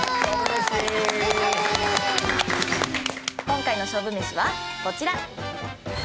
今回の勝負めしはこちら。